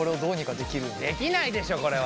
できないでしょこれは。